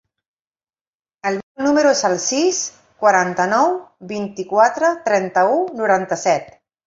El meu número es el sis, quaranta-nou, vint-i-quatre, trenta-u, noranta-set.